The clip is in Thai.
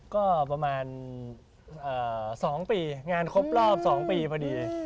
ก็ประมาณ๒ปีงานครบรอบ๒ปีพอดี